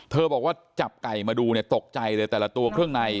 บอกว่าจับไก่มาดูเนี่ยตกใจเลยแต่ละตัวเครื่องใน